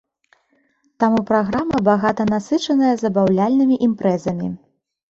Таму праграма багата насычаная забаўляльнымі імпрэзамі.